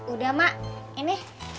udah mak ini